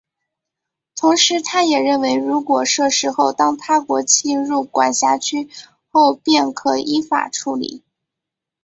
同时他也认为如果设市后当他国侵入管辖区后便可依法处理。